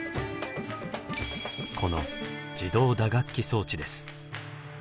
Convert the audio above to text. この自動打楽器装置です。